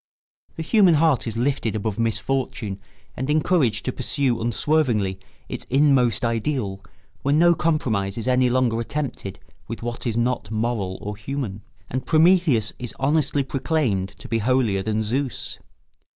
The human heart is lifted above misfortune and encouraged to pursue unswervingly its inmost ideal when no compromise is any longer attempted with what is not moral or human, and Prometheus is honestly proclaimed to be holier than Zeus.